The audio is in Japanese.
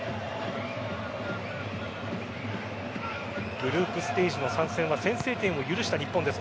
グループステージの３戦は先制点を許した日本です。